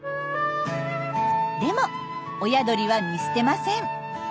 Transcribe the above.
でも親鳥は見捨てません。